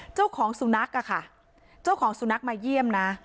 เจ้าของสุนัขอะค่ะเจ้าของสุนัขมาเยี่ยมนะ